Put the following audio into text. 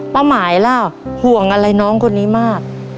หมายล่ะห่วงอะไรน้องคนนี้มาก